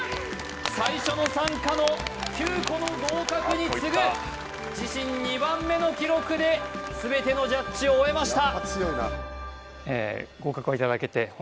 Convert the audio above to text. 最初の参加の９個の合格に次ぐ自身２番目の記録で全てのジャッジを終えました